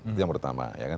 itu yang pertama